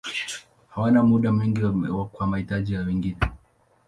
Hawana muda mwingi kwa mahitaji ya wengine.